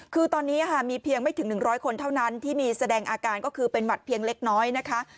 คือตอนนี้มีเพียงไม่ถึง๑๐๐คนเท่านั้นที่มีแสดงอาการก็คือเป็นหมัดเพียงเล็กน้อยนะคะ